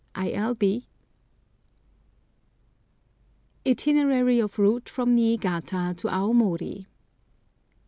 I. L. B. ITINERARY of ROUTE from NIIGATA to AOMORI.